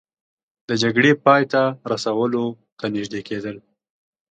د جګړې پای ته رسولو ته نژدې کیدل